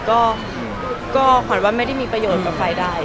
เหมือนว่าไม่ได้มีประโยชน์กับไฟได้